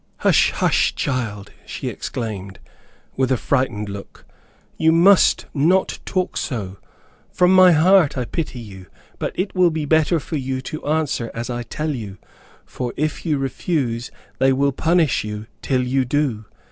"Hush, hush, child!" she exclaimed, with a frightened look. "You must not talk so. From my heart I pity you; but it will be better for you to answer as I tell you, for if you refuse they will punish you till you do.